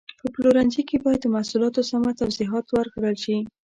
په پلورنځي کې باید د محصولاتو سمه توضیحات ورکړل شي.